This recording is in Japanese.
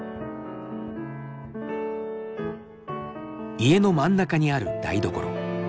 家の真ん中にある台所。